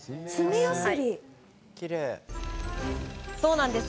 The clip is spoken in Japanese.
そうなんです。